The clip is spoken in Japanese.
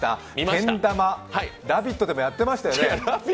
けん玉、「ラヴィット！」でもやりましたよね？